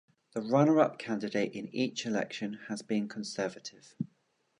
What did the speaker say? The runner-up candidate in each election has been Conservative.